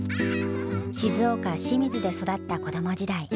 静岡・清水で育った子ども時代。